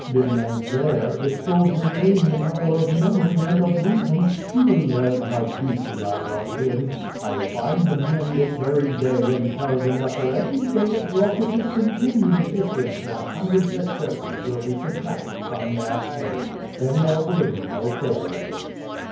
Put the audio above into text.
Then and there, if souls retain the power of memory and of reason, he will learn how deeply I loved him. I will find the men this very day and tell them that for every day of Glau cus's continued existence one hundred sesterces will be sub tracted from their pay. Then there will be no failure."